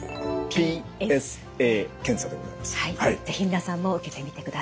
是非皆さんも受けてみてください。